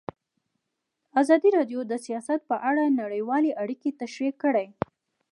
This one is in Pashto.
ازادي راډیو د سیاست په اړه نړیوالې اړیکې تشریح کړي.